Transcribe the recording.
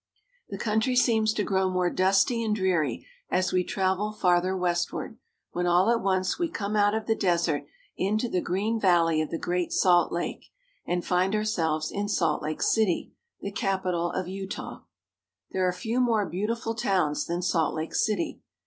The country seems to grow more dusty and dreary as we travel farther westward, when all at once we come out of the desert into the green valley of the Great Salt Lake, and find ourselves in Salt Lake City, the capital of Utah. There are few more beautiful towns than Salt Lake City.